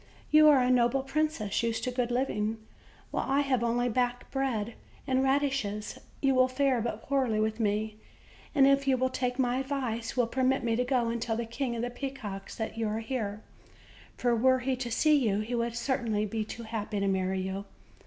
"You are a noble princess, used to good living, while I have only back bread and radishes; you will fare but poorly with me, and, if you will take my advice, will permit me to go and tell the King of the Peacocks that you are here; for were he to see you, he would certainly be but too happy to marry you."